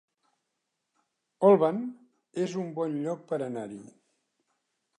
Olvan es un bon lloc per anar-hi